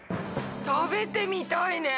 食べてみたいね！